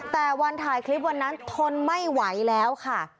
แต่วันถ่ายคลิปวันนั้นทนไม่ไหวแล้วค่ะ